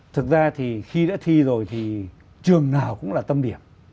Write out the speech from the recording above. thực ra thì khi đã thi rồi thì trường nào cũng là tâm điểm